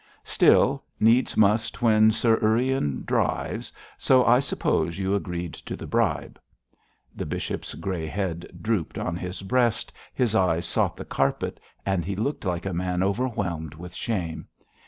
Still, Needs must when Sir Urian drives, so I suppose you agreed to the bribe.' The bishop's grey head drooped on his breast, his eyes sought the carpet, and he looked like a man overwhelmed with shame.